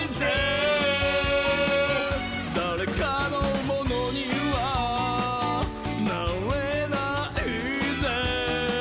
「だれかのものにはなれないぜ」